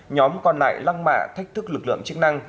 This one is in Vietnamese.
nhóm còn lại lăng mạ thách thức lực lượng chức năng